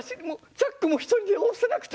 チャックも一人で下ろせなくて。